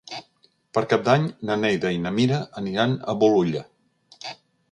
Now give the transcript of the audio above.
Per Cap d'Any na Neida i na Mira aniran a Bolulla.